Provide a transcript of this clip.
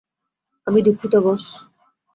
আমি দুঃখিত, বস।